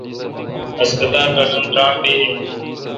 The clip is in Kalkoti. ہسپتالرل پر درام می این۔